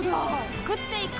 創っていく！